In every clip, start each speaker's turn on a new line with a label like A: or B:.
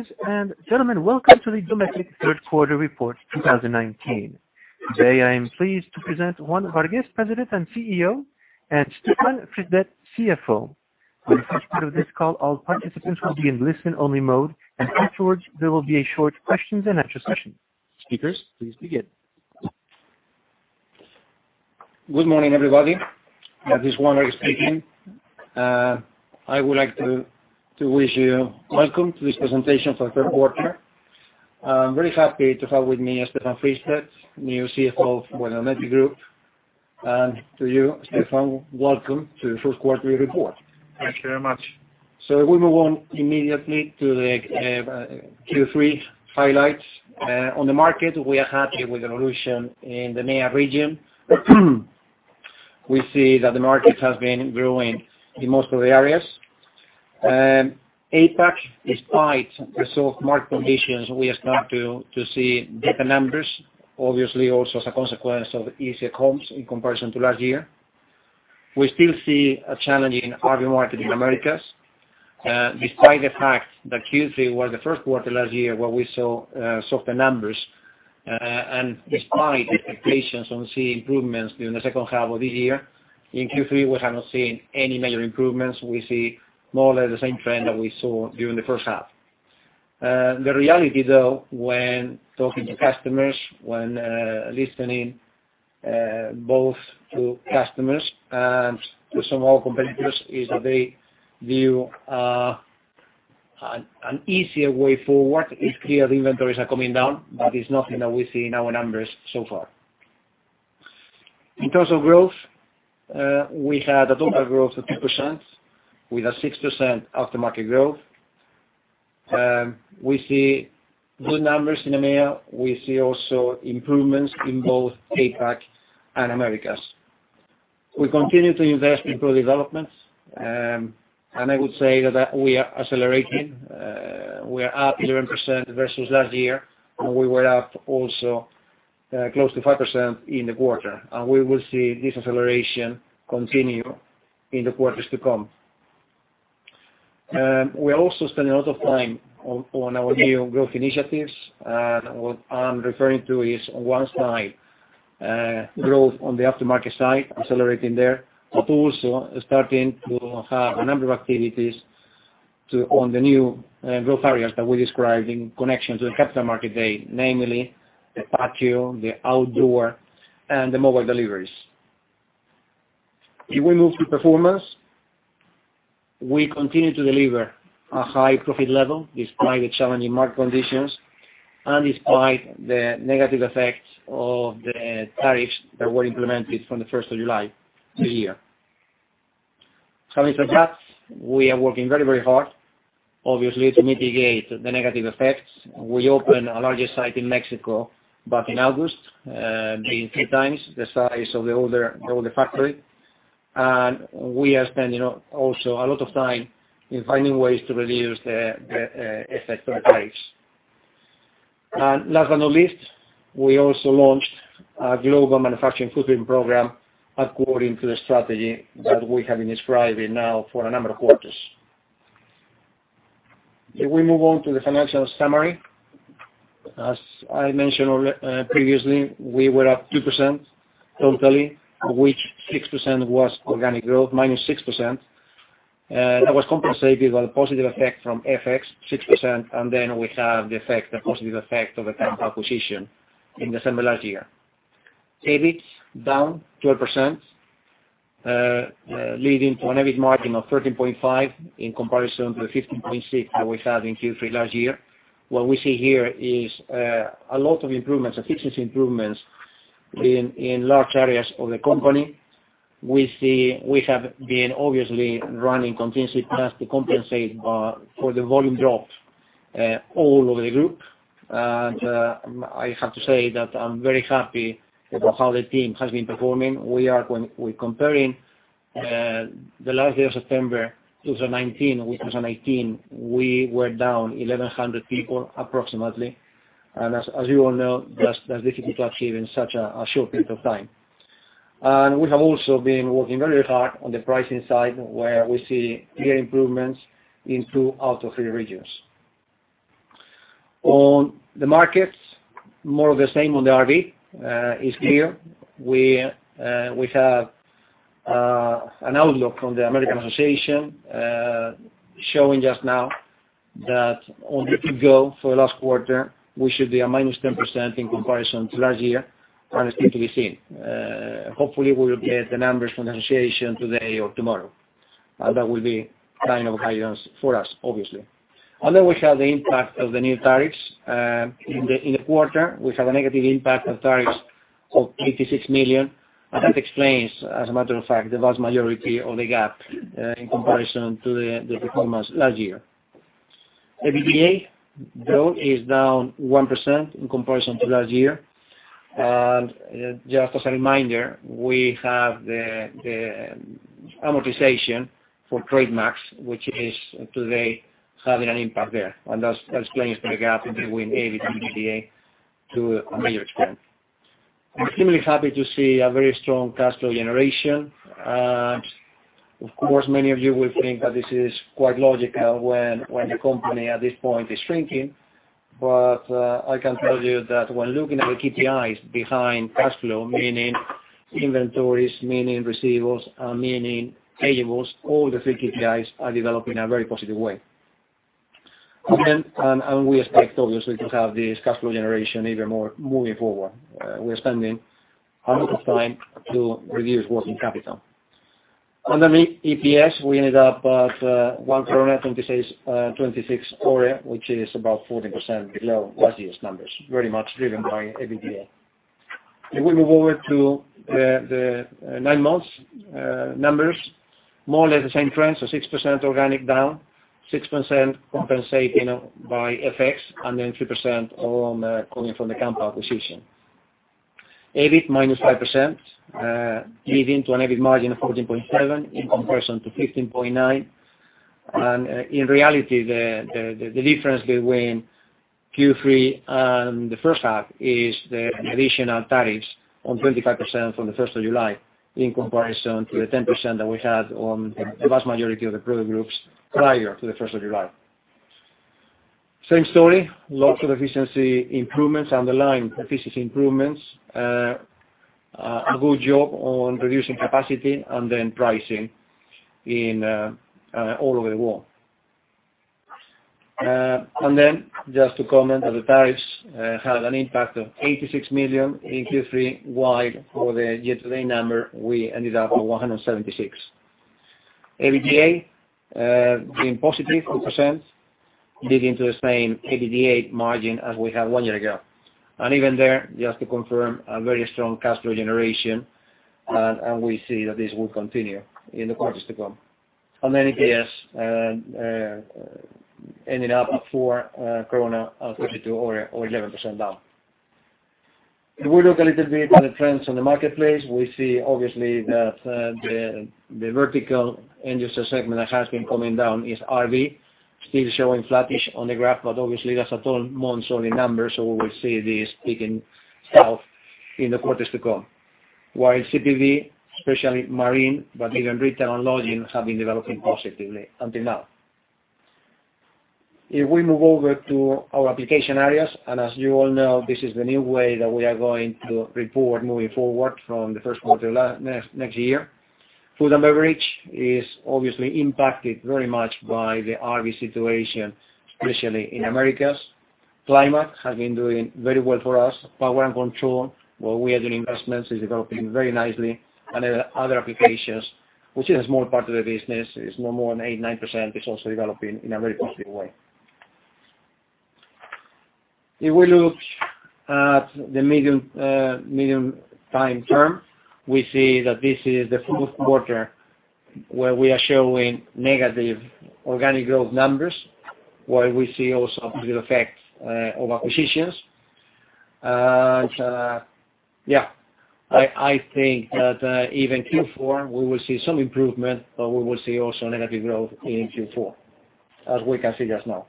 A: Ladies and gentlemen, welcome to the Dometic Third Quarter Report 2019. Today, I am pleased to present Juan Vargues, President and CEO, and Stefan Fristedt, CFO. For the first part of this call, all participants will be in listen-only mode, and afterwards there will be a short question and answer session. Speakers, please begin.
B: Good morning, everybody. This is Juan speaking. I would like to wish you welcome to this presentation for third quarter. I'm very happy to have with me Stefan Fristedt, new CFO of Dometic Group. To you, Stefan, welcome to the first quarter report.
C: Thank you very much.
B: We move on immediately to the Q3 highlights. On the market, we are happy with the evolution in the EMEA region. We see that the market has been growing in most of the areas. APAC, despite the soft market conditions, we are starting to see better numbers, obviously also as a consequence of easier comps in comparison to last year. We still see a challenge in RV market in Americas. Despite the fact that Q3 was the first quarter last year where we saw softer numbers, and despite the expectations on seeing improvements during the second half of this year, in Q3, we have not seen any major improvements. We see more or less the same trend that we saw during the first half. The reality though, when talking to customers, when listening both to customers and to some of our competitors, is that they view an easier way forward. It's clear the inventories are coming down, but it's nothing that we see in our numbers so far. In terms of growth, we had a total growth of 2% with a 6% aftermarket growth. We see good numbers in EMEA. We see also improvements in both APAC and Americas. We continue to invest in product developments, and I would say that we are accelerating. We are up 11% versus last year, and we were up also close to 5% in the quarter. We will see this acceleration continue in the quarters to come. We are also spending a lot of time on our new growth initiatives. What I'm referring to is, on one side, growth on the aftermarket side, accelerating there, but also starting to have a number of activities on the new growth areas that we described in connection to the Capital Market Day, namely the Patio, the outdoor, and the Mobile Deliveries. If we move to performance, we continue to deliver a high profit level despite the challenging market conditions and despite the negative effects of the tariffs that were implemented from the 1st of July this year. In surpassed we are working very hard, obviously to mitigate the negative effects. We opened our largest site in Mexico back in August, being three times the size of the older factory. We are spending also a lot of time in finding ways to reduce the effect of tariffs. Last but not least, we also launched a global manufacturing footprint program according to the strategy that we have been describing now for a number of quarters. If we move on to the financial summary. As I mentioned previously, we were up 2% totally, which 6% was organic growth, minus 6%. That was compensated by the positive effect from FX, 6%, and then we have the positive effect of the Kampa acquisition in December last year. EBIT down 12%, leading to an EBIT margin of 13.5% in comparison to the 15.6% that we had in Q3 last year. What we see here is a lot of improvements, efficiency improvements in large areas of the company. We have been obviously running contingency plans to compensate for the volume drops all over the group. I have to say that I'm very happy about how the team has been performing. We are comparing the last day of September 2019 with 2018. We were down 1,100 people approximately. As you all know, that's difficult to achieve in such a short period of time. We have also been working very hard on the pricing side, where we see clear improvements in two out of three regions. On the markets, more of the same on the RV. It's clear. We have an outlook from the RVIA showing just now that on a good go for the last quarter, we should be a minus 10% in comparison to last year. It's yet to be seen. Hopefully, we will get the numbers from the association today or tomorrow. That will be kind of guidance for us, obviously. Then we have the impact of the new tariffs. In the quarter, we have a negative impact of tariffs of $86 million. That explains, as a matter of fact, the vast majority of the gap in comparison to the performance last year. The EBITDA, though, is down 1% in comparison to last year. Just as a reminder, we have the amortization for trademarks, which is today having an impact there. That explains the gap between EBIT and EBITDA to a major extent. We're extremely happy to see a very strong cash flow generation. Of course, many of you will think that this is quite logical when the company at this point is shrinking. I can tell you that when looking at the KPIs behind cash flow, meaning inventories, meaning receivables, and meaning payables, all the three KPIs are developing a very positive way. We expect, obviously, to have this cash flow generation even more moving forward. We are spending a lot of time to reduce working capital. Under EPS, we ended up at 1.26, which is about 14% below last year's numbers, very much driven by EBITDA. If we move over to the nine months numbers, more or less the same trend, 6% organic down, 6% compensated by FX, and then 3% all coming from the Kampa acquisition. EBIT minus 5%, leading to an EBIT margin of 14.7% in comparison to 15.9%. In reality, the difference between Q3 and the first half is the additional tariffs on 25% from July 1 in comparison to the 10% that we had on the vast majority of the product groups prior to July 1. Same story, lots of efficiency improvements, underlying efficiency improvements, a good job on reducing capacity and then pricing in all over the world. Just to comment that the tariffs had an impact of $86 million in Q3 wide. For the year-to-date number, we ended up at $176. EBITDA being positive, 2%, leading to the same EBITDA margin as we had one year ago. Even there, just to confirm a very strong cash flow generation. We see that this will continue in the quarters to come. EPS ending up at 4.32 or 11% down. If we look a little bit at the trends in the marketplace, we see obviously that the vertical end user segment that has been coming down is RV. Still showing flattish on the graph, obviously that's a total monthly number, so we will see this peaking south in the quarters to come. While CPV, especially marine, even retail and lodging, have been developing positively until now. If we move over to our application areas, as you all know, this is the new way that we are going to report moving forward from the first quarter next year. Food & Beverage is obviously impacted very much by the RV situation, especially in Americas. Climate has been doing very well for us. Power & Control, where we are doing investments, is developing very nicely. Other Applications, which is a small part of the business, is no more than eight, 9%, is also developing in a very positive way. If we look at the medium time term, we see that this is the fourth quarter where we are showing negative organic growth numbers, while we see also the effect of acquisitions. Yeah, I think that even Q4 we will see some improvement, but we will see also negative growth in Q4 as we can see just now.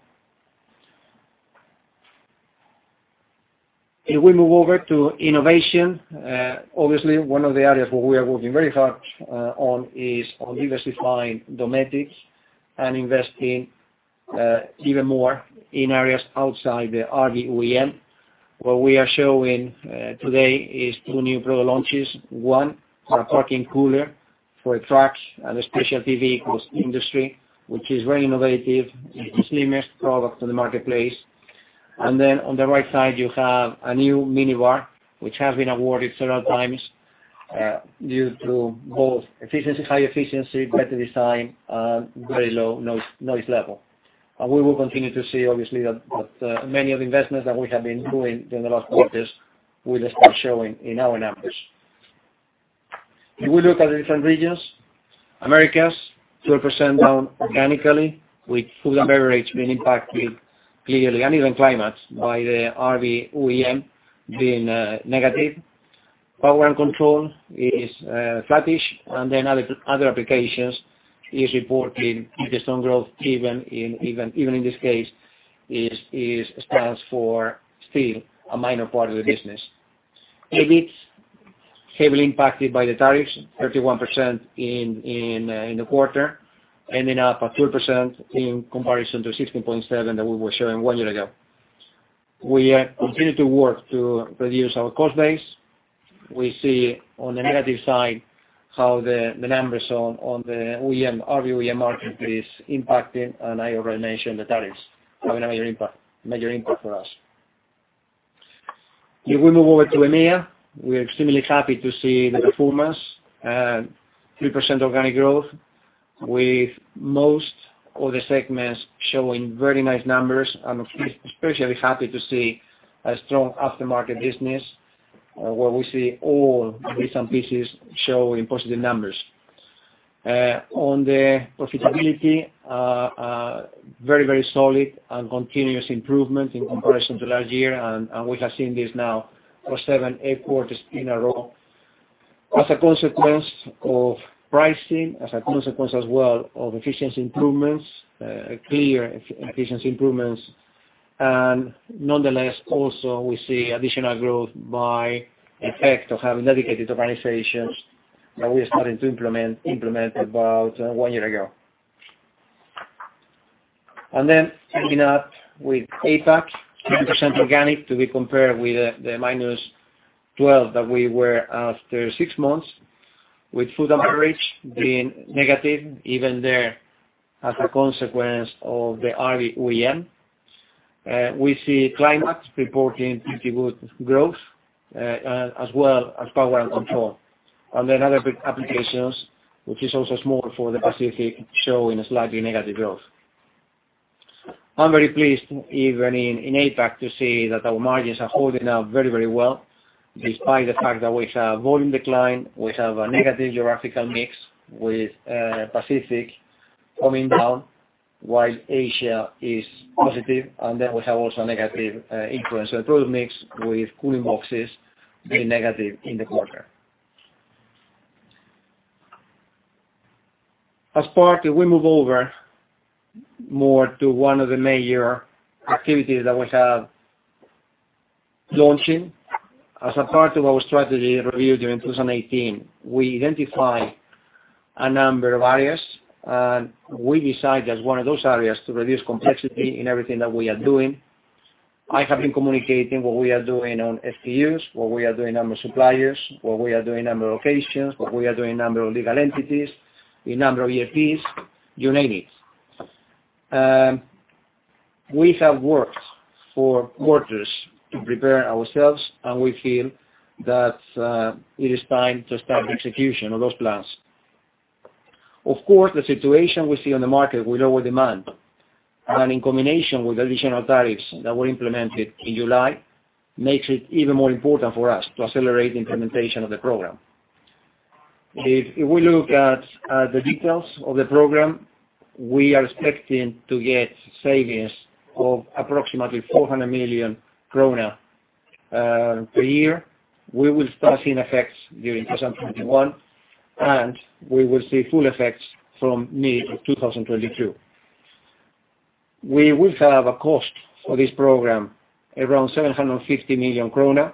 B: If we move over to innovation. Obviously one of the areas where we are working very hard on is on diversifying Dometic and investing even more in areas outside the RV OEM. What we are showing today is two new product launches, one for a Parking Cooler for trucks and specialty vehicles industry, which is very innovative. It's the slimmest product in the marketplace. Then on the right side, you have a new Minibar, which has been awarded several times due to both high efficiency, better design, and very low noise level. We will continue to see, obviously, that many of the investments that we have been doing during the last quarters will start showing in our numbers. If we look at the different regions. Americas, 12% down organically with Food & Beverage being impacted clearly, and even Climate by the RV OEM being negative. Power & Control is flattish. Other Applications is reporting a decent growth even in this case, it stands for still a minor part of the business. EBIT, heavily impacted by the tariffs, 31% in the quarter, ending up at 12% in comparison to 16.7% that we were showing one year ago. We are continuing to work to reduce our cost base. We see on the negative side how the numbers on the RV OEM market is impacting, and I already mentioned the tariffs having a major impact for us. If we move over to EMEA, we are extremely happy to see the performance. 3% organic growth with most of the segments showing very nice numbers. Especially happy to see a strong aftermarket business where we see all recent pieces showing positive numbers. On the profitability, very solid and continuous improvement in comparison to last year. We have seen this now for seven, eight quarters in a row. As a consequence of pricing, as a consequence as well of efficiency improvements, clear efficiency improvements. Nonetheless, also we see additional growth by effect of having dedicated organizations that we're starting to implement about one year ago. Ending up with APAC, 10% organic to be compared with the -12% that we were after six months, with Food & Beverage being negative even there as a consequence of the RV OEM. We see Climate reporting pretty good growth, as well as Power & Control. Other Applications, which is also small for the Pacific, showing a slightly negative growth. I'm very pleased even in APAC to see that our margins are holding up very well despite the fact that we have volume decline. We have a negative geographical mix with Pacific coming down while Asia is positive, and then we have also negative influence on product mix with cooling boxes being negative in the quarter. As part, we move over more to one of the major activities that we have launching. As a part of our strategy review during 2018, we identify a number of areas, and we decide as one of those areas to reduce complexity in everything that we are doing. I have been communicating what we are doing on SKUs, what we are doing on the suppliers, what we are doing number of locations, what we are doing number of legal entities, the number of ERPs, you name it. We have worked for quarters to prepare ourselves, and we feel that it is time to start the execution of those plans. Of course, the situation we see on the market with lower demand and in combination with additional tariffs that were implemented in July, makes it even more important for us to accelerate the implementation of the program. If we look at the details of the program, we are expecting to get savings of approximately 400 million krona per year. We will start seeing effects during 2021, and we will see full effects from mid of 2022. We will have a cost for this program around 750 million krona.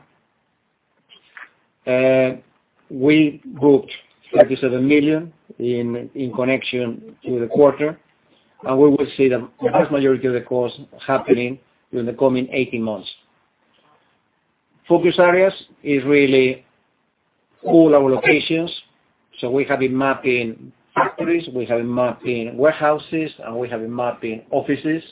B: We booked 37 million in connection with the quarter, and we will see the vast majority of the cost happening during the coming 18 months. Focus areas is really all our locations. We have been mapping factories, we have been mapping warehouses, and we have been mapping offices.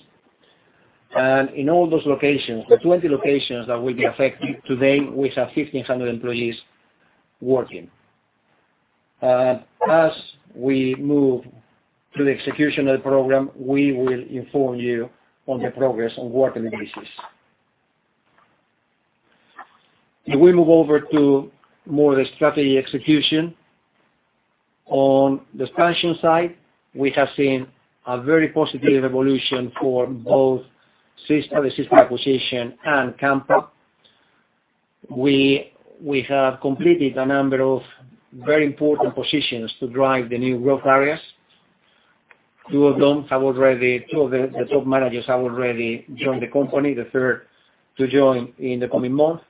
B: In all those locations, the 20 locations that will be affected today, we have 1,500 employees working. As we move through the executional program, we will inform you on the progress on work in this. If we move over to more the strategy execution. On the expansion side, we have seen a very positive evolution for both the SeaStar acquisition and Kampa. We have completed a number of very important positions to drive the new growth areas. Two of the top managers have already joined the company, the third to join in the coming month.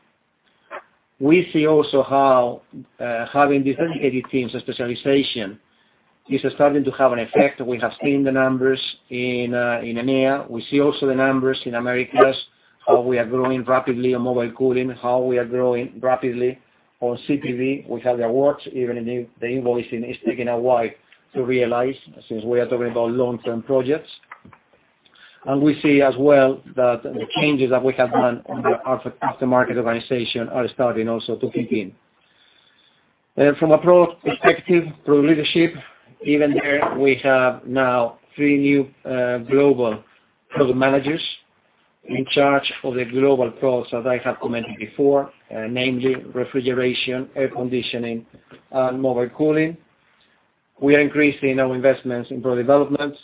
B: We see also how having dedicated teams and specialization is starting to have an effect. We have seen the numbers in EMEA. We see also the numbers in Americas, how we are growing rapidly on Mobile Cooling, how we are growing rapidly on CPV. We have the awards, even if the invoicing is taking a while to realize, since we are talking about long-term projects. We see as well that the changes that we have done on the after-market organization are starting also to kick in. From a product perspective, product leadership, even there we have now three new global product managers in charge of the global products as I have commented before, namely Refrigeration, Air Conditioning, and Mobile Cooling. We are increasing our investments in product developments,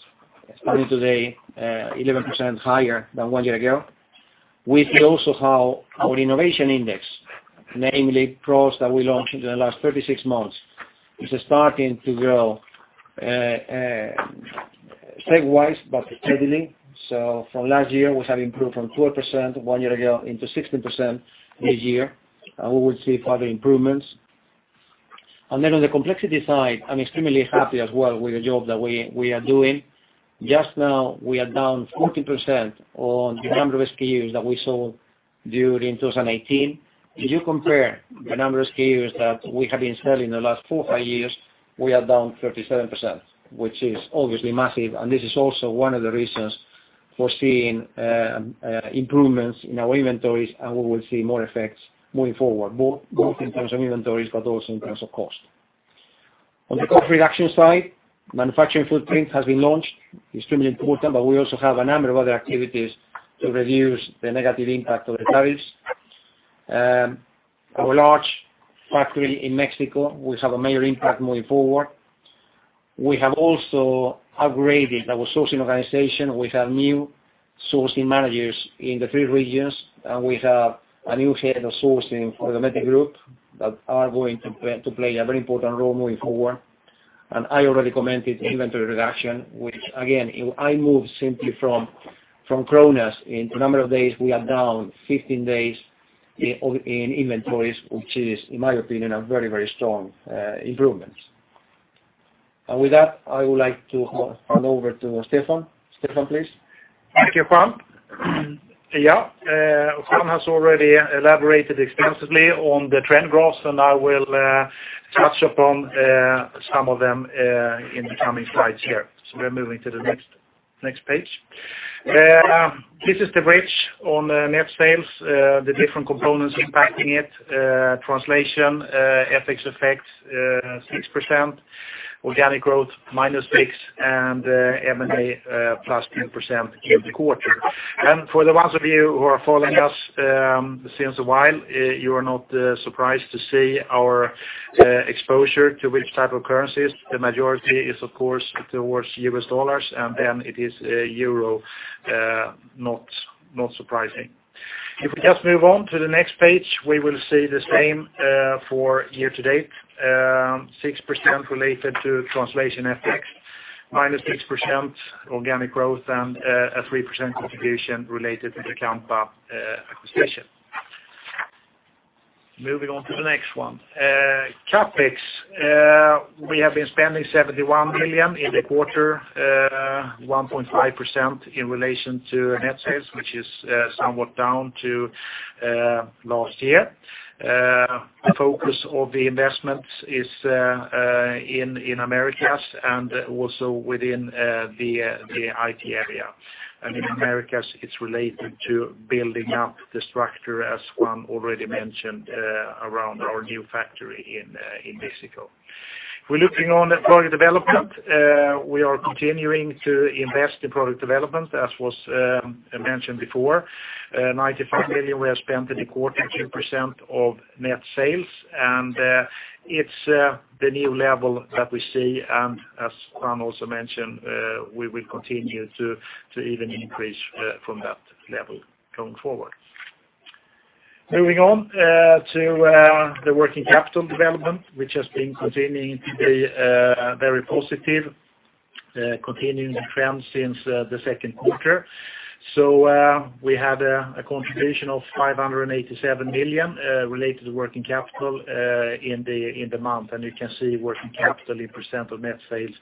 B: expanding today, 11% higher than one year ago. We see also how our innovation index, namely products that we launched in the last 36 months, is starting to grow seg-wise, but steadily. From last year, we have improved from 12% one year ago into 16% this year. We will see further improvements. Then on the complexity side, I'm extremely happy as well with the job that we are doing. Just now we are down 40% on the number of SKUs that we sold during 2018. If you compare the number of SKUs that we have been selling in the last four or five years, we are down 37%, which is obviously massive, and this is also one of the reasons for seeing improvements in our inventories, and we will see more effects moving forward, both in terms of inventories but also in terms of cost. On the cost reduction side, manufacturing footprint has been launched. Extremely important. We also have a number of other activities to reduce the negative impact of the tariffs. Our large factory in Mexico will have a major impact moving forward. We have also upgraded our sourcing organization with new sourcing managers in the three regions, we have a new head of sourcing for Dometic Group that are going to play a very important role moving forward. I already commented on inventory reduction, which again, I moved simply from kronor in a number of days. We are down 15 days in inventories, which is, in my opinion, a very strong improvement. With that, I would like to hand over to Stefan. Stefan, please.
C: Thank you, Juan. Yeah, Juan has already elaborated extensively on the trend growth, and I will touch upon some of them in the coming slides here. We're moving to the next page. This is the bridge on net sales, the different components impacting it, translation, FX effects 6%, organic growth minus 6%, and M&A plus 10% in the quarter. For the ones of you who are following us since a while, you are not surprised to see our exposure to which type of currencies. The majority is, of course, towards US dollars, and then it is euro. Not surprising. If we just move on to the next page, we will see the same for year-to-date, 6% related to translation FX, minus 6% organic growth, and a 3% contribution related to the Kampa acquisition. Moving on to the next one. CapEx. We have been spending 71 million in the quarter, 1.5% in relation to net sales, which is somewhat down to last year. Focus of the investment is in Americas and also within the IT area. In Americas, it's related to building up the structure, as Juan already mentioned around our new factory in Mexico. We're looking on product development. We are continuing to invest in product development, as was mentioned before, 95 million were spent in the quarter, 2% of net sales, it's the new level that we see. As Juan also mentioned, we will continue to even increase from that level going forward. Moving on to the working capital development, which has been continuing to be very positive, continuing the trend since the second quarter. We had a contribution of 587 million related to working capital in the month, and you can see working capital in percent of net sales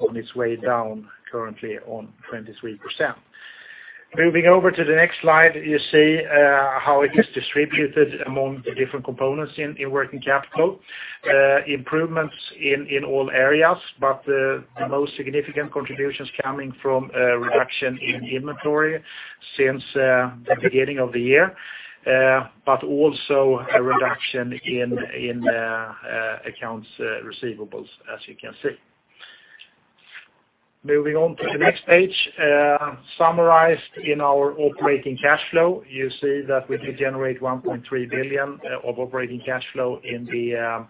C: on its way down, currently on 23%. Moving over to the next slide, you see how it is distributed among the different components in working capital. Improvements in all areas, but the most significant contributions coming from a reduction in inventory since the beginning of the year, but also a reduction in accounts receivables, as you can see. Moving on to the next page, summarized in our operating cash flow, you see that we did generate 1.3 billion of operating cash flow in the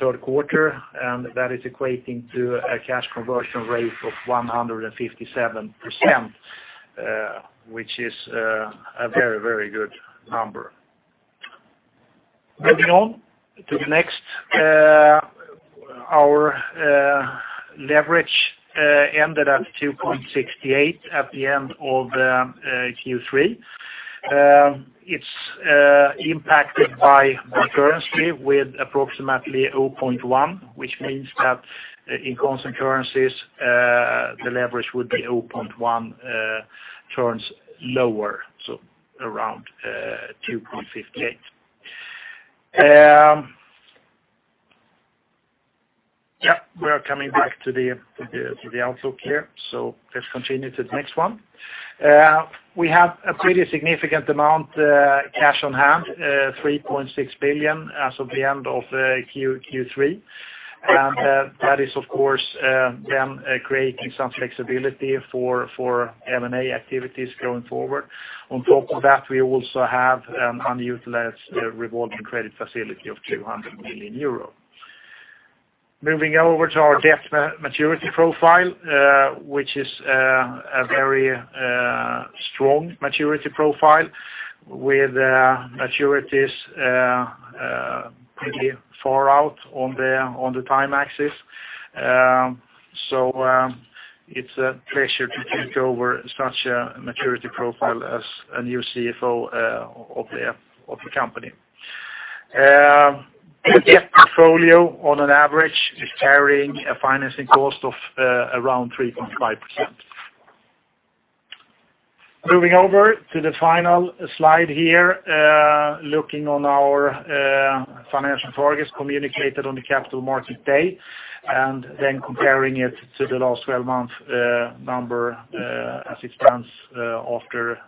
C: third quarter, and that is equating to a cash conversion rate of 157%, which is a very good number. Moving on to the next. Our leverage ended at 2.68 at the end of Q3. It's impacted by the currency with approximately 0.1, which means that in constant currencies, the leverage would be 0.1 turns lower, so around 2.58. We are coming back to the outlook here. Let's continue to the next one. We have a pretty significant amount cash on hand, 3.6 billion as of the end of Q3. That is, of course, then creating some flexibility for M&A activities going forward. On top of that, we also have an unutilized revolving credit facility of 200 million euro. Moving over to our debt maturity profile, which is a very strong maturity profile with maturities pretty far out on the time axis. It's a pleasure to take over such a maturity profile as a new CFO of the company. The debt portfolio on an average is carrying a financing cost of around 3.5%. Moving over to the final slide here, looking on our financial targets communicated on the Capital Markets Day, and then comparing it to the last 12-month number as it stands after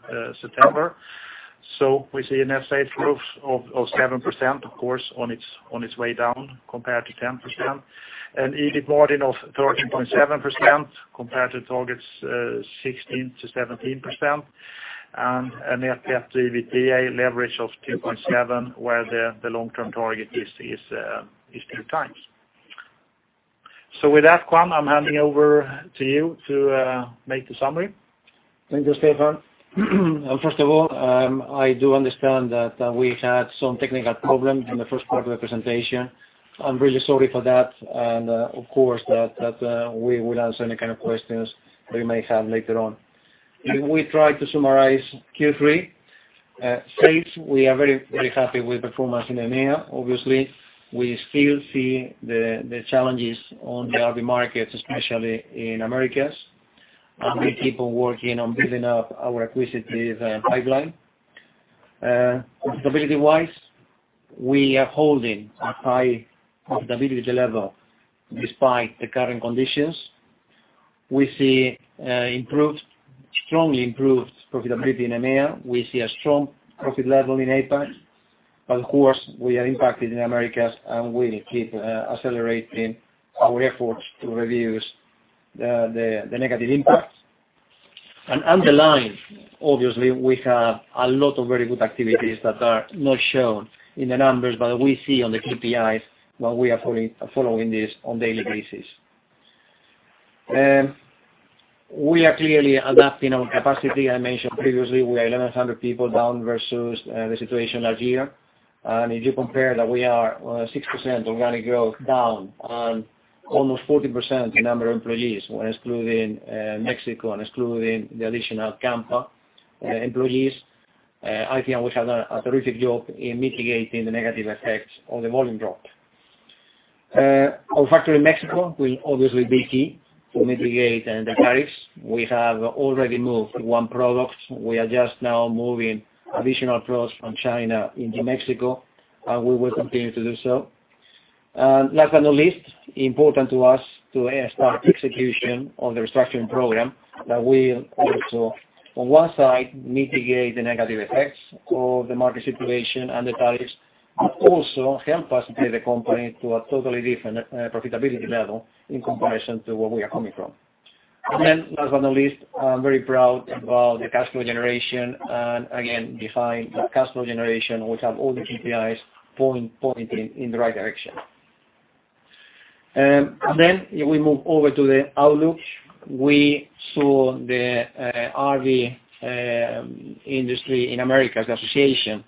C: September. We see a net sales growth of 7%, of course, on its way down compared to 10%, an EBIT margin of 13.7% compared to targets 16%-17%. An FFS EBITDA leverage of 2.7, where the long-term target is 2 times. With that, Juan, I'm handing over to you to make the summary.
B: Thank you, Stefan. First of all, I do understand that we had some technical problems in the first part of the presentation. I'm really sorry for that. Of course, we will answer any kind of questions that you may have later on. If we try to summarize Q3. Sales, we are very happy with performance in EMEA. Obviously, we still see the challenges on the RV markets, especially in Americas. We keep on working on building up our acquisitive pipeline. Profitability-wise, we are holding a high profitability level despite the current conditions. We see strongly improved profitability in EMEA. We see a strong profit level in APAC. Of course, we are impacted in Americas, and we keep accelerating our efforts to reduce the negative impacts. Underlying, obviously, we have a lot of very good activities that are not shown in the numbers, but we see on the KPIs, while we are following this on daily basis. We are clearly adapting on capacity. I mentioned previously, we are 1,100 people down versus the situation last year. If you compare that we are on a 6% organic growth down on almost 40% the number of employees when excluding Mexico and excluding the additional Kampa employees. I think we have done a terrific job in mitigating the negative effects of the volume drop. Our factory in Mexico will obviously be key to mitigate the tariffs. We have already moved one product. We are just now moving additional products from China into Mexico, and we will continue to do so. Last but not least, important to us to start execution of the restructuring program that will also, on one side, mitigate the negative effects of the market situation and the tariffs, but also help us take the company to a totally different profitability level in comparison to where we are coming from. Last but not least, I am very proud about the cash flow generation, and again, define the cash flow generation. We have all the KPIs pointing in the right direction. We move over to the outlook. We saw the RV Industry in Americas association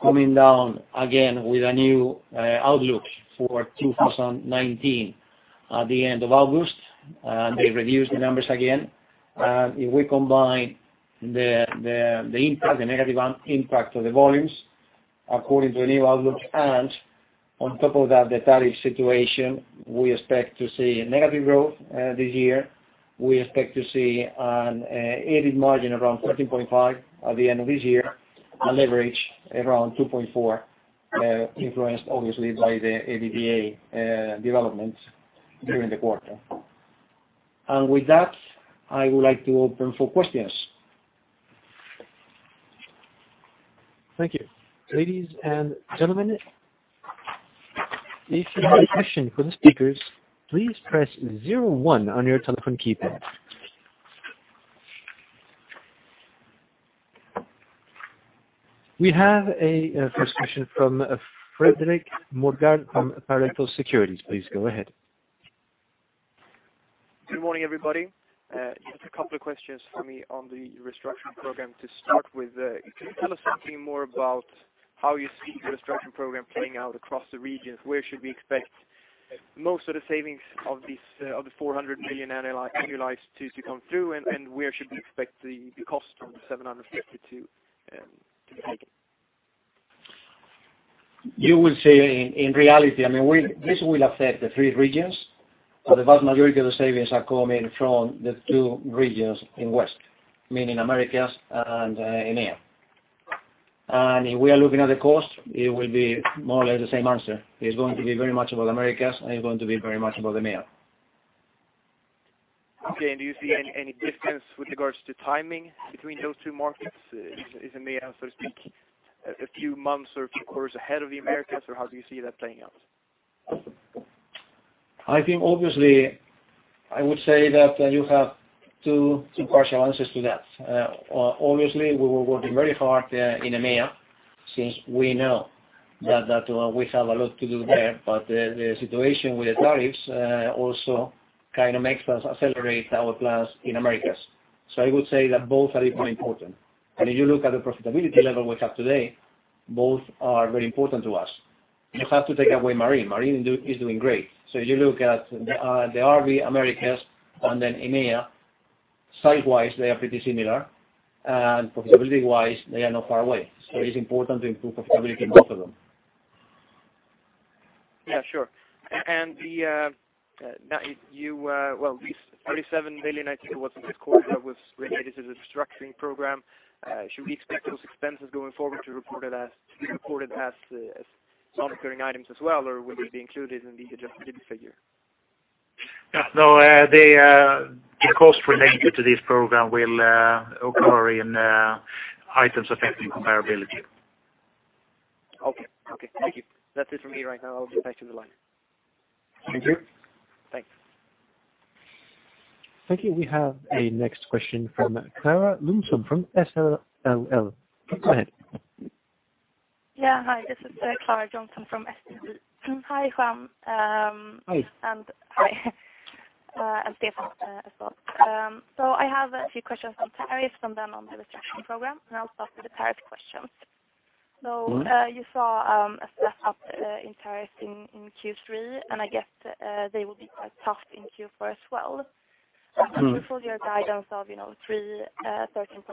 B: coming down again with a new outlook for 2019 at the end of August. They reduced the numbers again. If we combine the negative impact of the volumes according to the new outlook and on top of that, the tariff situation, we expect to see negative growth this year. We expect to see an EBIT margin around 14.5% at the end of this year, a leverage around 2.4, influenced obviously by the EBITA developments during the quarter. With that, I would like to open for questions.
A: Thank you. Ladies and gentlemen, if you have a question for the speakers, please press 01 on your telephone keypad. We have a first question from Fredrik Mogard from Pareto Securities. Please go ahead.
D: Good morning, everybody. A couple of questions for me on the restructuring program to start with. Can you tell us something more about how you see the restructuring program playing out across the regions? Where should we expect most of the savings of 400 million annualized to come through, and where should we expect the cost from the 750 to break out?
B: You will see in reality, this will affect the three regions, but the vast majority of the savings are coming from the two regions in West, meaning Americas and EMEA. If we are looking at the cost, it will be more or less the same answer. It's going to be very much about Americas, and it's going to be very much about EMEA.
D: Okay. Do you see any difference with regards to timing between those two markets? Is EMEA, so to speak, a few months or few quarters ahead of the Americas, or how do you see that playing out?
B: I think, obviously, I would say that you have two partial answers to that. Obviously, we were working very hard in EMEA since we know that we have a lot to do there. The situation with the tariffs also kind of makes us accelerate our plans in Americas. I would say that both are equally important. If you look at the profitability level we have today, both are very important to us. You have to take away Marine. Marine is doing great. If you look at the RV Americas and then EMEA, site-wise, they are pretty similar. Profitability-wise, they are not far away. It is important to improve profitability in both of them.
D: Yeah, sure. The 37 million, I think it was in this quarter, was related to the restructuring program. Should we expect those expenses going forward to be reported as items affecting comparability as well, or will they be included in the adjusted EBITDA figure?
C: No, the cost related to this program will occur in items affecting comparability.
D: Okay. Thank you. That's it for me right now. I'll get back to the line.
B: Thank you.
D: Thanks.
A: Thank you. We have a next question from Klara Jonsson from SRLL. Go ahead.
E: Yeah. Hi, this is Klara Jonsson from SEB. Hi, Juan.
B: Hi.
E: Hi, Stefan as well. I have a few questions on tariffs and then on the restructuring program, and I will start with the tariff questions. You saw a step-up in tariffs in Q3, and I guess they will be quite tough in Q4 as well. Your full-year guidance of 313.5%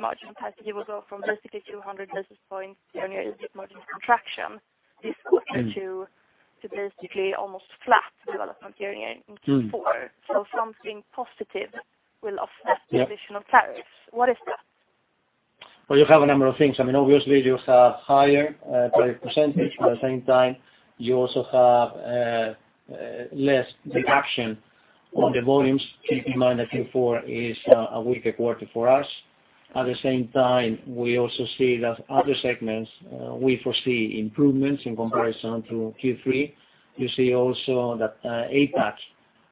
E: margin has, you will go from basically 200 basis points during your EBIT margin contraction this quarter to basically almost flat development during Q4. the additional tariffs. What is that?
B: You have a number of things. Obviously, you have higher price percentage, but at the same time, you also have less reduction on the volumes. Keep in mind that Q4 is a weaker quarter for us. At the same time, we also see that other segments, we foresee improvements in comparison to Q3. You see also that APAC,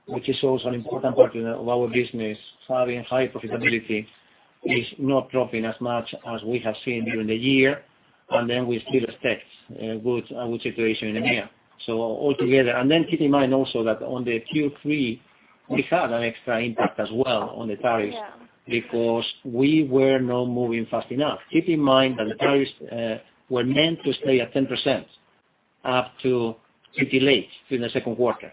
B: which is also an important part of our business, having high profitability, is not dropping as much as we have seen during the year. We still expect a good situation in EMEA. Altogether, keep in mind also that on the Q3, we had an extra impact as well on the tariffs because we were not moving fast enough. Keep in mind that the tariffs were meant to stay at 10% up to pretty late in the second quarter.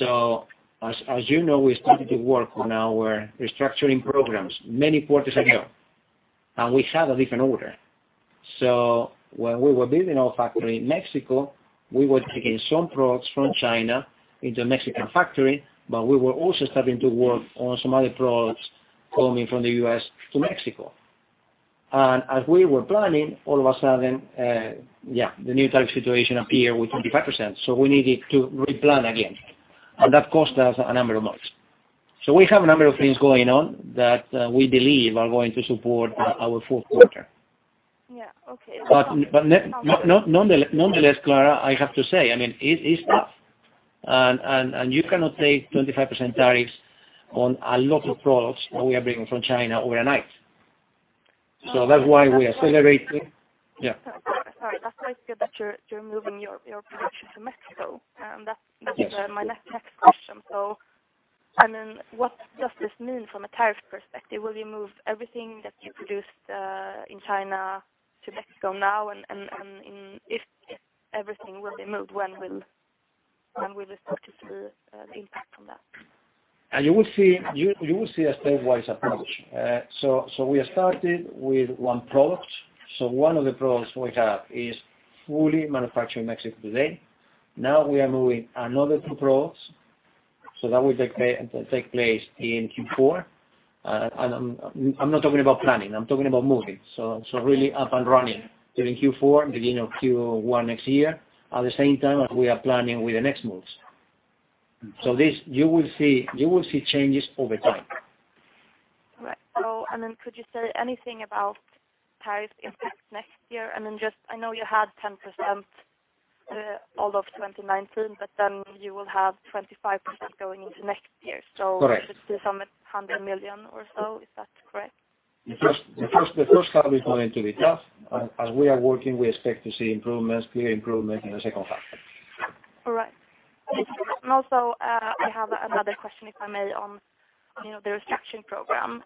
B: As you know, we started to work on our restructuring programs many quarters ago. We had a different order. When we were building our factory in Mexico, we were taking some products from China into Mexican factory. We were also starting to work on some other products coming from the U.S. to Mexico. As we were planning, all of a sudden, the new tariff situation appeared with 25%. We needed to replan again. That cost us a number of months. We have a number of things going on that we believe are going to support our fourth quarter.
E: Yeah. Okay.
B: Nonetheless, Klara, I have to say, it is tough. You cannot take 25% tariffs on a lot of products we are bringing from China overnight. That's why we are celebrating. Yeah.
E: Sorry. That's why I feel that you're moving your production to Mexico. That's my next question. What does this mean from a tariff perspective? Will you move everything that you produced in China to Mexico now? If everything will be moved, when will you start to see the impact from that?
B: You will see a stepwise approach. We have started with one product. One of the products we have is fully manufactured in Mexico today. Now we are moving another two products. That will take place in Q4. I'm not talking about planning, I'm talking about moving. Really up and running during Q4 and beginning of Q1 next year, at the same time as we are planning with the next moves. You will see changes over time.
E: Right. Could you say anything about tariff impact next year? I know you had 10% all of 2019, you will have 25% going into next year.
B: Correct.
E: It should be some 100 million or so, is that correct?
B: The first half is going to be tough. As we are working, we expect to see clear improvement in the second half.
E: All right. Also, I have another question, if I may, on the restructuring program.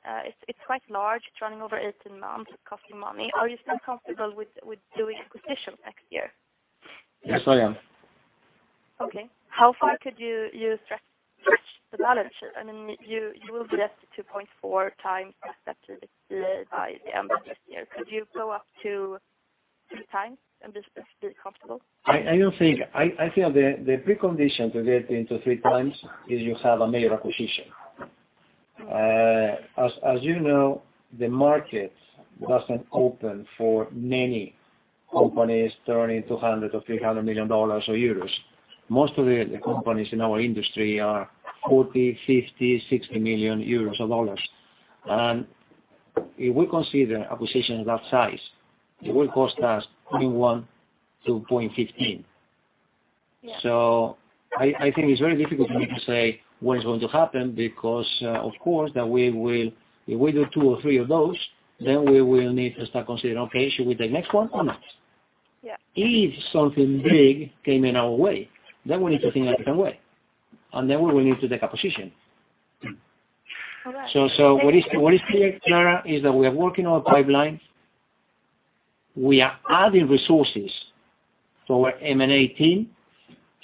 E: It's quite large. It's running over 18 months, costing money. Are you still comfortable with doing acquisitions next year?
B: Yes, I am.
E: Okay. How far could you stretch the balance sheet? You will be left with 2.4 times EBITDA by the end of next year. Could you go up to 3 times and still be comfortable?
B: I think the precondition to get into three times is you have a major acquisition. As you know, the market doesn't open for many companies turning 200 million or SEK 300 million. Most of the companies in our industry are 40 million, 50 million, 60 million euros. If we consider acquisitions that size, it will cost us 21 to 2,015.
E: Yeah.
B: I think it's very difficult for me to say when it's going to happen because, of course, if we do two or three of those, then we will need to start considering, okay, should we take next one or not?
E: Yeah.
B: If something big came in our way, then we need to think in a different way, and then we will need to take a position.
E: All right.
B: What is clear, Klara, is that we are working our pipelines. We are adding resources to our M&A team.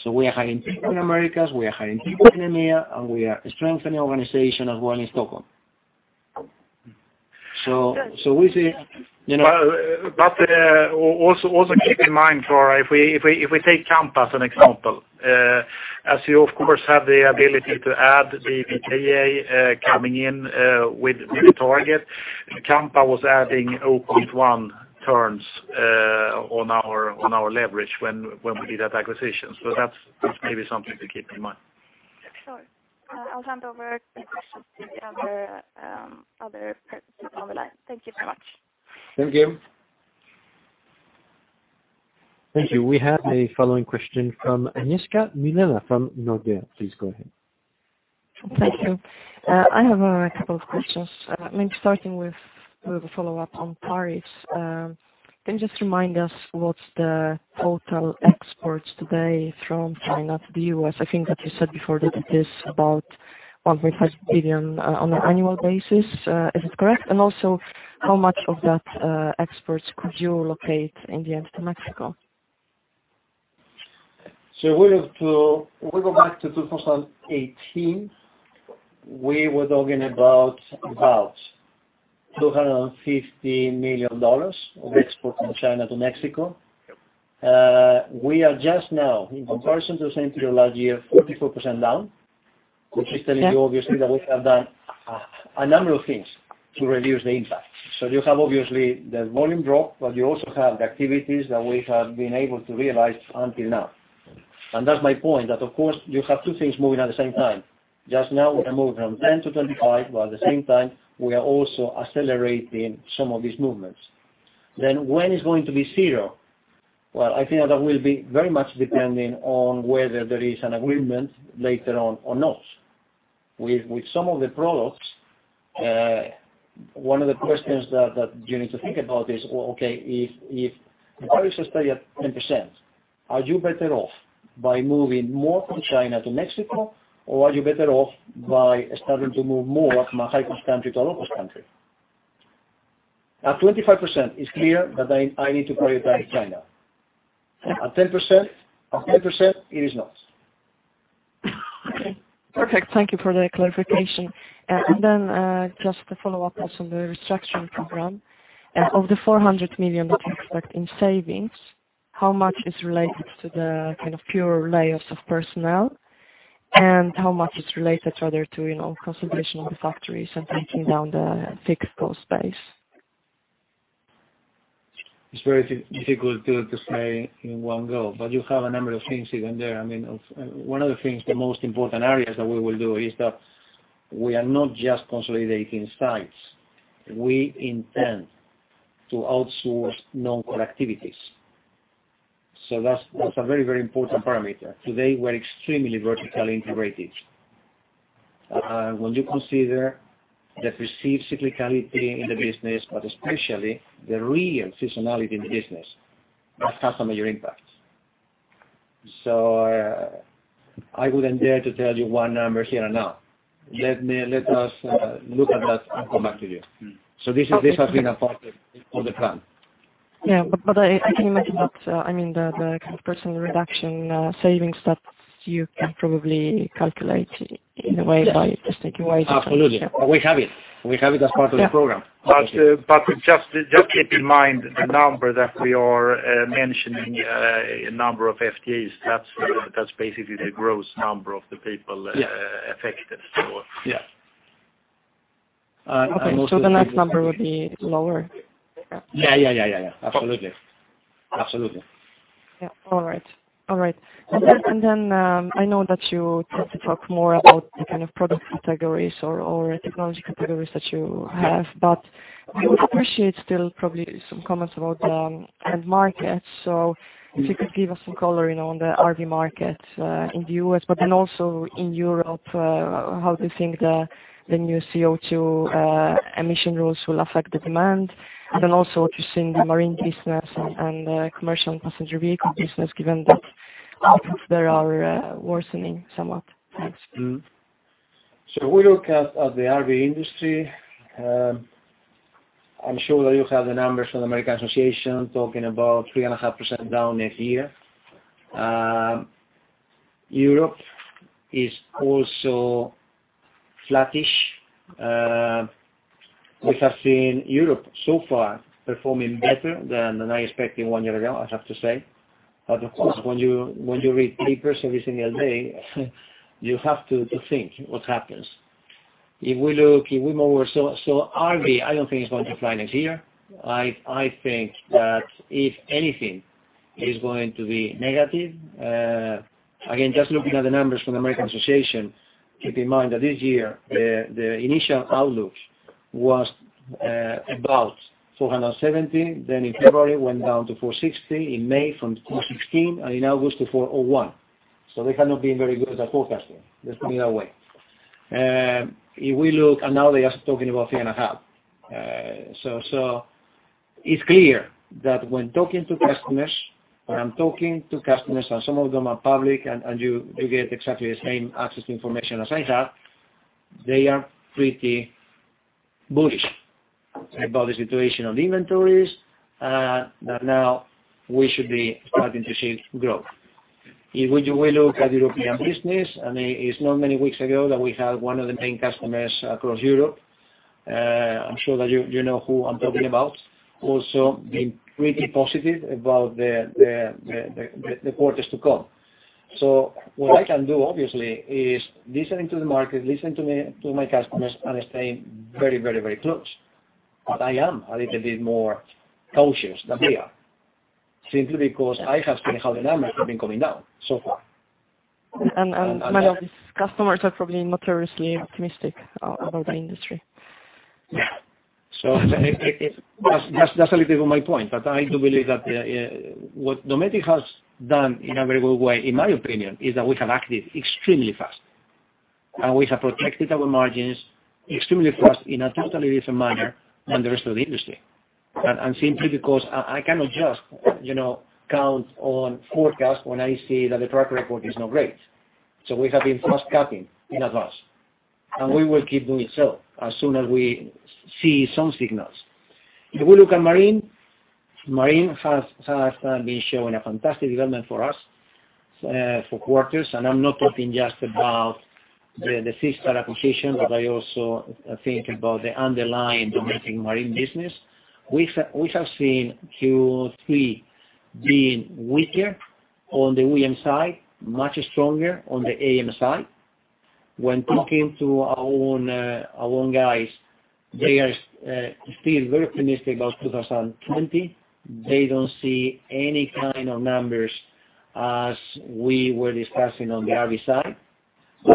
B: We are hiring people in Americas, we are hiring people in EMEA, and we are strengthening organization as well in Stockholm. Also keep in mind, Klara, if we take Kampa as an example, as you of course, have the ability to add the BTA coming in with new target, Kampa was adding 0.1 turns on our leverage when we did that acquisition. That's maybe something to keep in mind.
E: Sure. I'll hand over any questions to the other participants on the line. Thank you very much.
B: Thank you.
A: Thank you. We have a following question from Agnieszka Vilela from Nordea. Please go ahead.
F: Thank you. I have a couple of questions. Maybe starting with a follow-up on tariffs. Can you just remind us what's the total exports today from China to the U.S.? I think that you said before that it is about $1.5 billion on an annual basis. Is it correct? How much of that exports could you locate in the end to Mexico?
B: If we go back to 2018, we were talking about $250 million of exports from China to Mexico. We are just now, in comparison to the same period last year, 44% down, which is telling you, obviously, that we have done a number of things to reduce the impact. You have, obviously, the volume drop, but you also have the activities that we have been able to realize until now. That's my point, that of course, you have two things moving at the same time. Just now, we are moving from 10 to 25, but at the same time, we are also accelerating some of these movements. When it's going to be zero? I think that will be very much depending on whether there is an agreement later on or not. With some of the products, one of the questions that you need to think about is, okay, if the tariffs stay at 10%, are you better off by moving more from China to Mexico, or are you better off by starting to move more from a high-cost country to a low-cost country? At 25%, it's clear that I need to prioritize China. At 10%, it is not.
F: Okay, perfect. Thank you for the clarification. Just a follow-up also on the restructuring program. Of the 400 million that you expect in savings, how much is related to the pure layoffs of personnel, and how much is related rather to consolidation of the factories and bringing down the fixed cost base?
B: It's very difficult to say in one go, but you have a number of things even there. One of the things, the most important areas that we will do is that we are not just consolidating sites. We intend to outsource non-core activities. That's a very important parameter. Today, we're extremely vertically integrated. When you consider the perceived cyclicality in the business, but especially the real seasonality in the business, that has a major impact. I wouldn't dare to tell you one number here and now. Let us look at that and come back to you. This has been a part of the plan.
F: Yeah. I can imagine that the personal reduction savings that you can probably calculate in a way by just taking.
B: Absolutely. We have it. We have it as part of the program.
C: Just keep in mind the number that we are mentioning, number of FTEs, that's basically the gross number of the people affected.
B: Yeah.
F: Okay. The next number would be lower?
B: Yeah. Absolutely.
F: All right. I know that you tend to talk more about the kind of product categories or technology categories that you have, but I would appreciate still probably some comments about the end market. If you could give us some coloring on the RV market in the U.S., but then also in Europe, how do you think the new CO2 emission rules will affect the demand? Also what you see in the marine business and commercial and passenger vehicle business, given that there are worsening somewhat. Thanks.
B: We look at the RV industry. I'm sure that you have the numbers from American Association talking about 3.5% down next year. Europe is also flattish. We have seen Europe so far performing better than I expected one year ago, I have to say. Of course, when you read papers every single day, you have to think what happens. RV, I don't think it's going to fly next year. I think that if anything is going to be negative, again, just looking at the numbers from the American Association, keep in mind that this year, the initial outlook was about 470, then in February, it went down to 460, in May from 416, and in August to 401. They have not been very good at forecasting. Let's put it that way. Now they are talking about 3.5. It's clear that when talking to customers, when I'm talking to customers, some of them are public, and you get exactly the same access to information as I have, they are pretty bullish about the situation of inventories, that now we should be starting to see growth. If we look at European business, it's not many weeks ago that we had one of the main customers across Europe, I'm sure that you know who I'm talking about, also being pretty positive about the quarters to come. What I can do, obviously, is listening to the market, listen to my customers, and staying very close. I am a little bit more cautious than they are. Simply because I have seen how the numbers have been coming down so far.
F: Many of these customers are probably notoriously optimistic about the industry.
B: That's a little bit of my point. I do believe that what Dometic has done in a very good way, in my opinion, is that we have acted extremely fast. We have protected our margins extremely fast in a totally different manner than the rest of the industry. Simply because I cannot just count on forecast when I see that the track record is not great. We have been fast capping in advance. We will keep doing so as soon as we see some signals. If you look at Marine has been showing a fantastic development for us for quarters. I'm not talking just about the SeaStar acquisition. I also think about the underlying Dometic Marine business. We have seen Q3 being weaker on the OEM side, much stronger on the AM side. When talking to our own guys, they are still very optimistic about 2020. They don't see any kind of numbers as we were discussing on the RV side.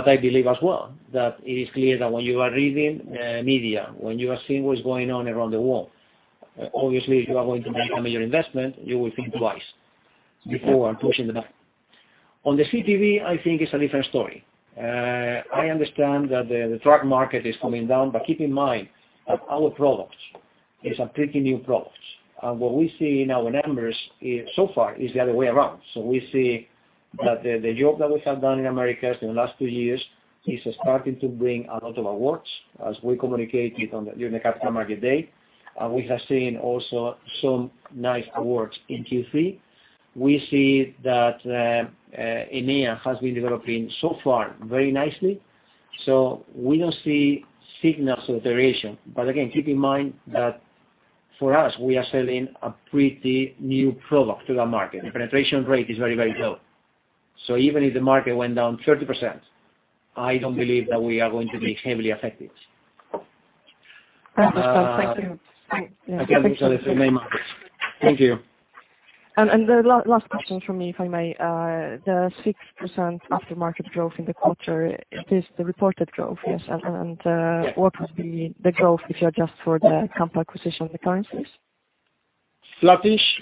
B: I believe as well, that it is clear that when you are reading media, when you are seeing what's going on around the world, obviously, if you are going to make a major investment, you will think twice before pushing the button. On the CPV, I think it's a different story. I understand that the truck market is coming down, keep in mind that our product is a pretty new product. What we see in our numbers so far is the other way around. We see that the job that we have done in Americas in the last two years is starting to bring a lot of awards, as we communicated during the Capital Markets Day. We have seen also some nice awards in Q3. We see that EMEA has been developing so far very nicely. We don't see signals of the region. Again, keep in mind that for us, we are selling a pretty new product to that market. The penetration rate is very low. Even if the market went down 30%, I don't believe that we are going to be heavily affected.
F: Thank you.
B: Okay. Thank you so much.
F: The last question from me, if I may. The 6% aftermarket growth in the quarter, it is the reported growth, yes? What would be the growth if you adjust for the Kampa acquisition and the currencies?
B: Flattish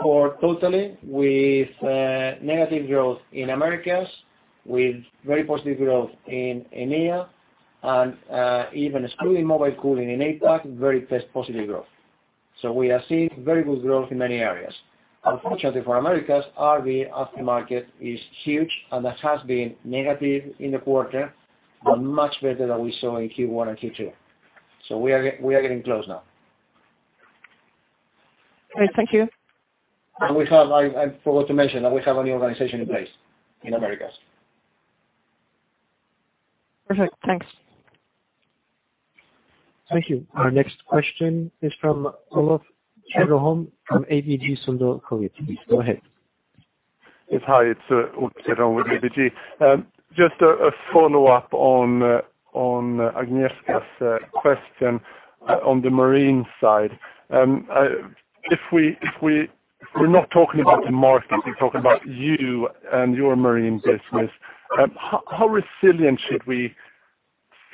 B: for totally with negative growth in Americas, with very positive growth in EMEA and even excluding Mobile Cooling in APAC, very fast positive growth. We are seeing very good growth in many areas. Unfortunately, for Americas, RV aftermarket is huge, and that has been negative in the quarter, but much better than we saw in Q1 and Q2. We are getting close now.
F: Great. Thank you.
B: I forgot to mention that we have a new organization in place in Americas.
F: Perfect. Thanks.
A: Thank you. Our next question is from Olof Cederholm from ABG Sundal Collier. Please go ahead.
G: Yes. Hi, it's Olof Cederholm with ABG. Just a follow-up on Agnieszka's question on the Marine side. If we're not talking about the market, we're talking about you and your Marine business, how resilient should we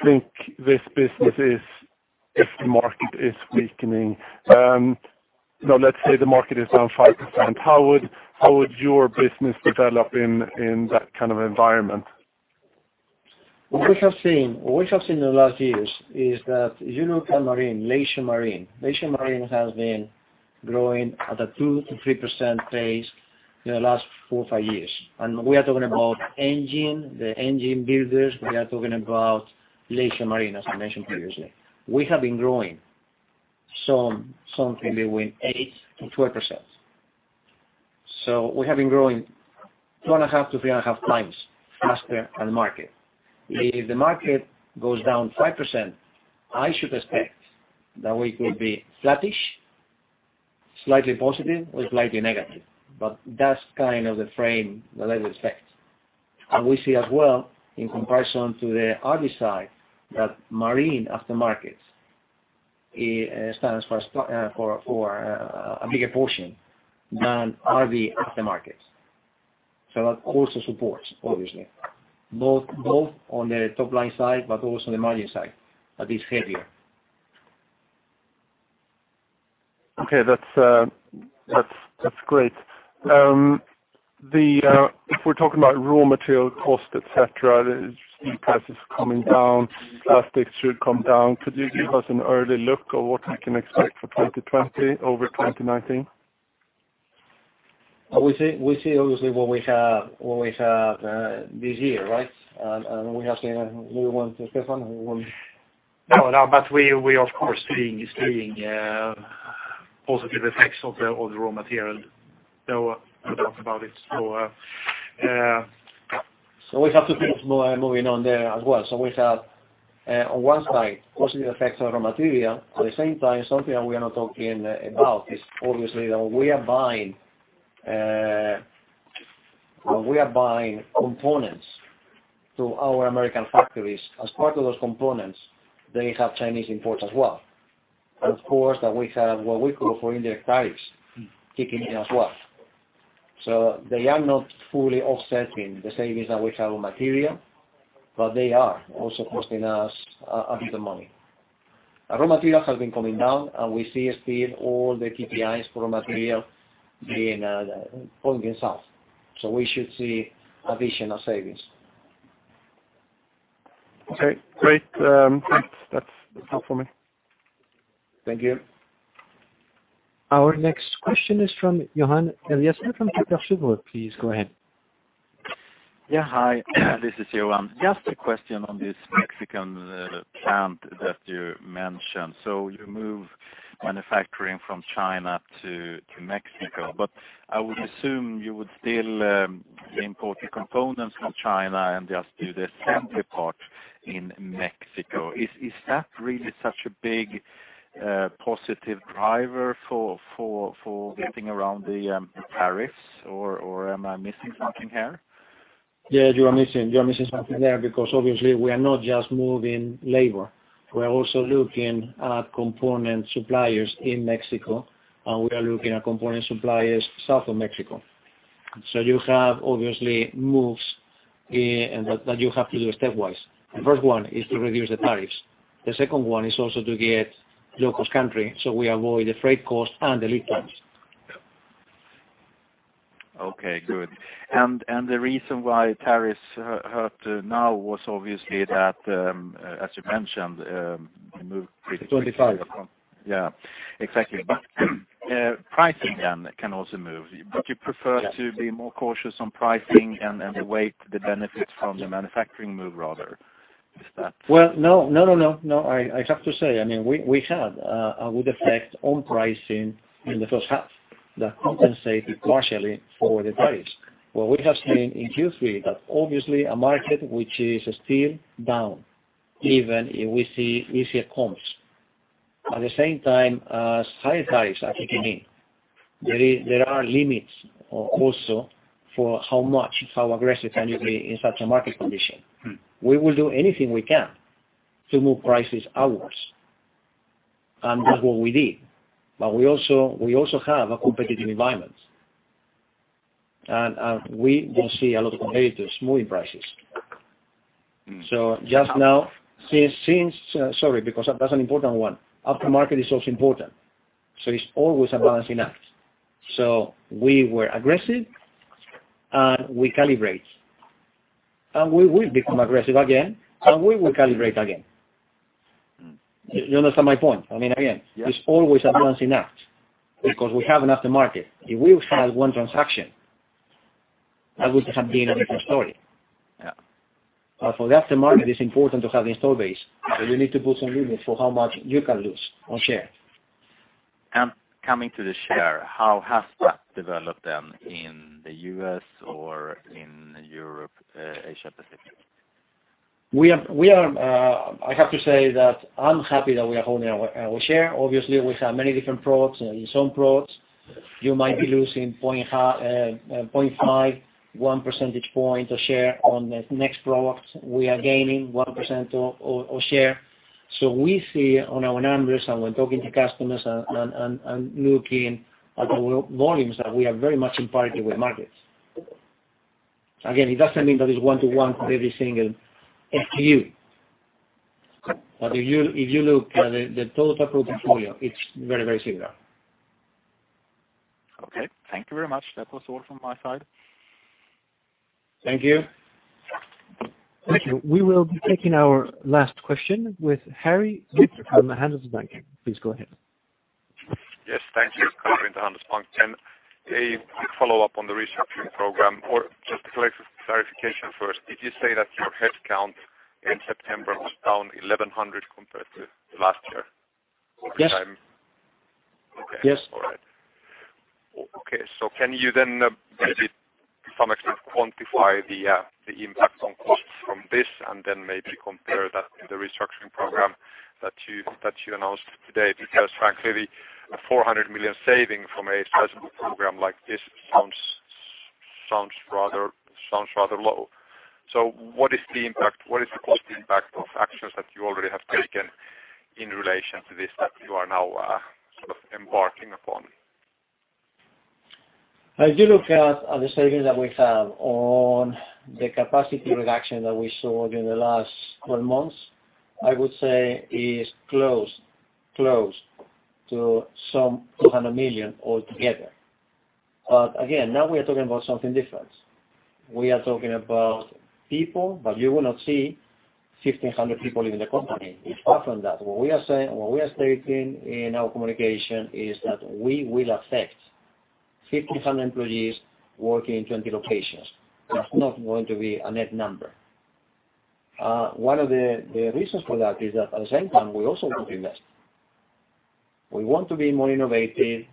G: think this business is if the market is weakening? Let's say the market is down 5%. How would your business develop in that kind of environment?
B: What we have seen in the last years is that if you look at Marine, leisure Marine, leisure Marine has been growing at a 2%-3% pace in the last four or five years. We are talking about engine, the engine builders, we are talking about leisure Marine, as I mentioned previously. We have been growing something between 8%-12%. We have been growing two and a half to three and a half times faster than market. If the market goes down 5%, I should expect that we could be flattish, slightly positive or slightly negative. That's kind of the frame that I would expect. We see as well, in comparison to the RV side, that Marine aftermarket stands for a bigger portion than RV aftermarket. That also supports, obviously, both on the top-line side, but also the margin side, that is heavier.
G: Okay. That's great. If we're talking about raw material cost, et cetera, steel prices coming down, plastics should come down. Could you give us an early look of what we can expect for 2020 over 2019?
B: We see obviously what we have this year, right? Do you want, Stefan?
C: We of course seeing positive effects of the raw material. No doubt about it.
B: We have to keep moving on there as well. We have, on one side, positive effects of raw material. At the same time, something that we are not talking about is obviously that we are buying components to our American factories, as part of those components, they have Chinese imports as well. Of course, that we have what we call foreign direct tariffs kicking in as well. They are not fully offsetting the savings that we have on material, but they are also costing us a bit of money. Raw materials have been coming down, and we see still all the KPIs for raw material pointing south. We should see additional savings.
G: Okay, great. Thanks. That's all for me.
B: Thank you.
A: Our next question is from Johan Eliason from Kepler Cheuvreux. Please go ahead.
H: Yeah. Hi, this is Johan. Just a question on this Mexican plant that you mentioned. You move manufacturing from China to Mexico, but I would assume you would still import the components from China and just do the assembly part in Mexico. Is that really such a big positive driver for getting around the tariffs, or am I missing something here?
B: Yeah, you are missing something there because obviously we are not just moving labor. We are also looking at component suppliers in Mexico, and we are looking at component suppliers south of Mexico. You have obviously moves that you have to do stepwise. The first one is to reduce the tariffs. The second one is also to get low-cost country, so we avoid the freight cost and the lead times.
H: Okay, good. The reason why tariffs hurt now was obviously that, as you mentioned, you moved.
B: Twenty-five.
H: Yeah, exactly. Pricing then can also move. Would you prefer to be more cautious on pricing and await the benefits from the manufacturing move rather? Is that?
B: Well, no. I have to say, we had a good effect on pricing in the first half that compensated partially for the tariffs. What we have seen in Q3, that obviously a market which is still down, even if we see easier comps. At the same time, as higher tariffs are kicking in, there are limits also for how much, how aggressive can you be in such a market condition. We will do anything we can to move prices outwards, and that's what we did. We also have a competitive environment, and we will see a lot of competitors moving prices. Just now, Sorry, because that's an important one. Aftermarket is also important, so it's always a balancing act. We were aggressive, and we calibrate. We will become aggressive again, and we will calibrate again. You understand my point?
H: Yes
B: It's always a balancing act because we have an aftermarket. If we had one transaction, that would have been a different story.
H: Yeah.
B: For the aftermarket, it's important to have the install base. You need to put some limits for how much you can lose on share.
H: Coming to the share, how has that developed in the U.S. or in Europe, Asia Pacific?
B: I have to say that I'm happy that we are holding our share. Obviously, we have many different products. In some products, you might be losing 0.5, 1 percentage point of share. On the next products, we are gaining 1% of share. We see on our numbers and when talking to customers and looking at the volumes that we are very much in parity with markets. Again, it doesn't mean that it's one to one for every single SKU. If you look at the total product portfolio, it's very similar.
H: Okay. Thank you very much. That was all from my side.
B: Thank you.
A: Thank you. We will be taking our last question with Harry from Handelsbanken. Please go ahead.
I: Yes. Thank you. Harry from Handelsbanken. A quick follow-up on the restructuring program or just a collective clarification first. Did you say that your headcount in September was down 1,100 compared to last year full time?
B: Yes.
I: Okay.
B: Yes.
I: All right. Okay, can you then maybe to some extent quantify the impact on costs from this and then maybe compare that to the restructuring program that you announced today? Frankly, a 400 million saving from a sizable program like this sounds rather low. What is the cost impact of actions that you already have taken in relation to this that you are now embarking upon?
B: If you look at the savings that we have on the capacity reduction that we saw during the last 12 months, I would say is close to some 200 million altogether. Again, now we are talking about something different. We are talking about people, but you will not see 1,500 people leaving the company. It's far from that. What we are stating in our communication is that we will affect 1,500 employees working in 20 locations. That's not going to be a net number. One of the reasons for that is that at the same time, we also need to invest. We want to be more innovative.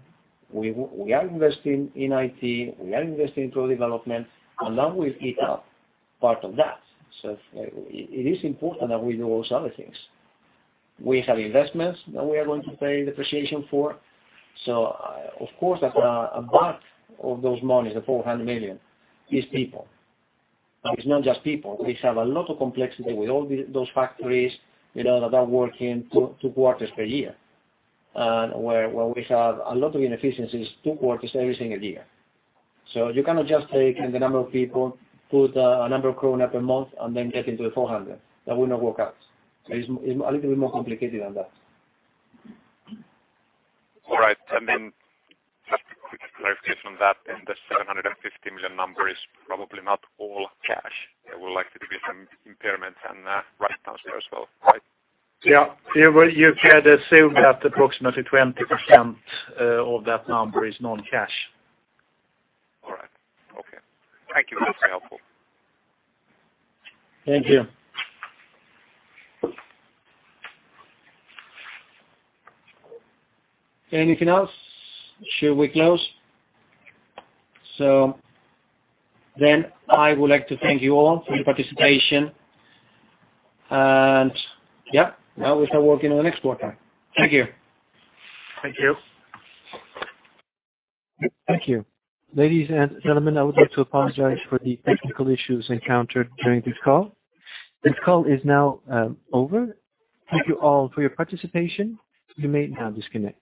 B: We are investing in IT, we are investing in tool development, and that will eat up part of that. It is important that we do those other things. We have investments that we are going to pay depreciation for. Of course, a bulk of those monies, the 400 million, is people. It's not just people. We have a lot of complexity with all those factories that are working 2 quarters per year, and where we have a lot of inefficiencies, 2 quarters every single year. You cannot just take the number of people, put a number of SEK per month, and then get into the 400. That will not work out. It's a little bit more complicated than that.
I: All right. Just a quick clarification on that. The 750 million number is probably not all cash. There will likely be some impairments and write-downs there as well, right?
B: Yeah. You can assume that approximately 20% of that number is non-cash.
I: All right. Okay. Thank you. That's very helpful.
B: Thank you. Anything else? Should we close? I would like to thank you all for your participation. Yeah, now we start working on the next quarter. Thank you.
I: Thank you.
A: Thank you. Ladies and gentlemen, I would like to apologize for the technical issues encountered during this call. This call is now over. Thank you all for your participation. You may now disconnect.